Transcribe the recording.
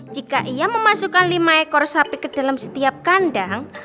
jika ia memasukkan lima ekor sapi ke dalam setiap kandang